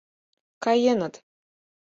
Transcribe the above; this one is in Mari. — Каеныт.